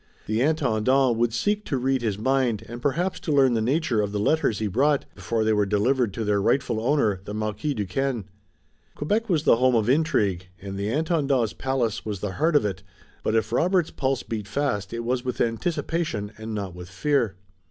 The Intendant would seek to read his mind, and perhaps to learn the nature of the letters he brought, before they were delivered to their rightful owner, the Marquis Duquesne. Quebec was the home of intrigue, and the Intendant's palace was the heart of it, but if Robert's pulse beat fast it was with anticipation and not with fear.